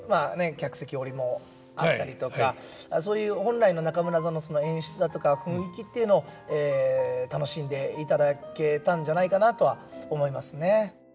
客席下りもあったりとかそういう本来の中村座の演出だとか雰囲気っていうのを楽しんでいただけたんじゃないかなとは思いますね。